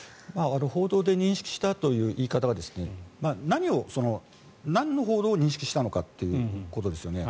報道で認識したという言い方はなんの報道を認識したのかということですよね。